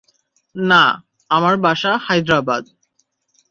না, আমার বাসা হায়দ্রাবাদ।